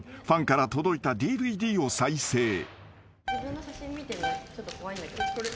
［ファンから届いたＤＶＤを再生］